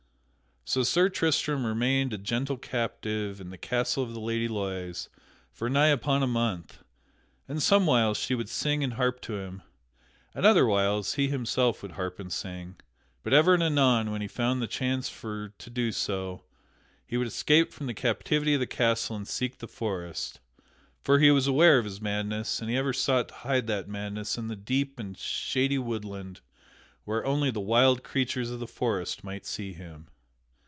So Sir Tristram remained a gentle captive in the castle of the Lady Loise for nigh upon a month, and somewhiles she would sing and harp to him, and otherwhiles he himself would harp and sing. But ever and anon, when he found the chance for to do so, he would escape from the captivity of the castle and seek the forest; for he was aware of his madness and he ever sought to hide that madness in the deep and shady woodland where only the wild creatures of the forest might see him.